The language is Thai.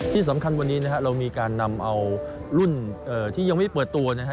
ที่สำคัญวันนี้นะครับเรามีการนำเอารุ่นที่ยังไม่เปิดตัวนะครับ